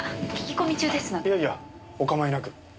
いやいやお構いなく。